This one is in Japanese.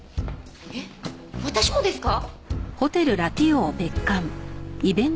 えっ私もですか？